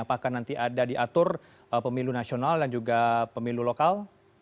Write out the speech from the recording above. apakah nanti ada diatur pemilu nasional dan juga pemilu lokal